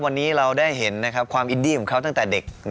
วันนี้เราได้เห็นความอินดี้ของเขาตั้งแต่เด็ก